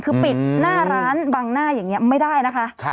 คือปิดหน้าร้านบังหน้าอย่างนี้ไม่ได้นะคะ